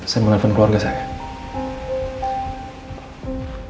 saya mau telepon keluarga saya